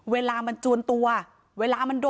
เวลามันจวนตัว